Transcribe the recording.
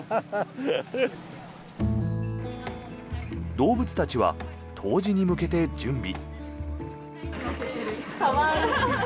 動物たちは冬至に向けて準備。